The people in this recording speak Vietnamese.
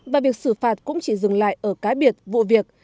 và việc xử phạt cũng chỉ dừng lại ở cái biệt vụ việc